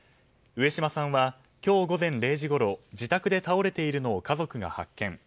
上島さんは今日午前０時ごろ自宅で倒れているのを家族が発見。